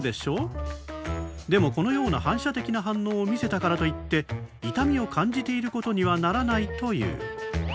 でもこのような反射的な反応を見せたからといって痛みを感じていることにはならないという。